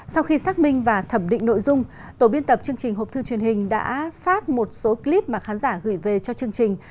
sau khi xác minh và thẩm định nội dung tổ biên tập chương trình hộp thư truyền hình đã phát một số clip mà khán giả gửi về cho chương trình